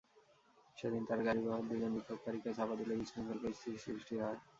সেদিন তাঁর গাড়িবহর দুজন বিক্ষোভকারীকে চাপা দিলে বিশৃঙ্খল পরিস্থিতির সৃষ্টি হয়।